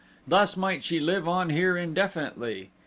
Thus might she live on here indefinitely.